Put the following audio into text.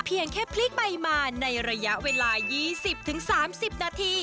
เพียงแค่พลิกใบมาในระยะเวลา๒๐๓๐นาที